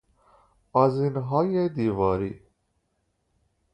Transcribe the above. آذینهای دیواری